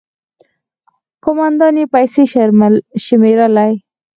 ، کومندان يې پيسې شمېرلې.